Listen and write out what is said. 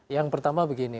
yang pertama begini